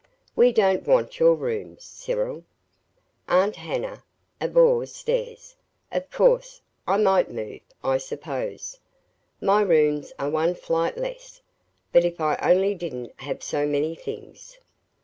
"We don't want your rooms, Cyril. Aunt Hannah abhors stairs. Of course I might move, I suppose. My rooms are one flight less; but if I only didn't have so many things!"